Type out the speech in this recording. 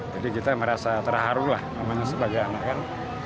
jadi kita merasa terharu lah namanya sebagai anak kan